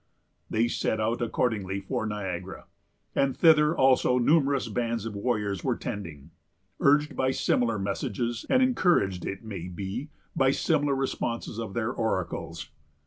They set out, accordingly, for Niagara; and thither also numerous bands of warriors were tending, urged by similar messages, and encouraged, it may be, by similar responses of their oracles.